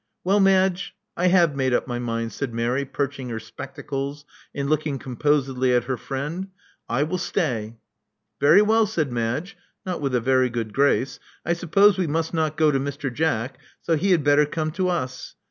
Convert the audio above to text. "Well, Madge, I have made up my mind," said Mary, perching her spectacles, and looking composedly at her friend. '*I will sfay. " "Very well," said Madge, not with a veiy good grace: "I suppose we must not go to Mr. Jack, so he had better come to us.